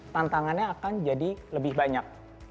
tantangannya akan jadi lebih banyak